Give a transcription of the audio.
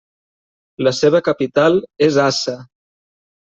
La seva capital és Assa.